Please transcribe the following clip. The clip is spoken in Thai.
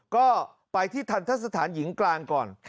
ก็ไปที่ทันทะสถานหญิงกลางก่อน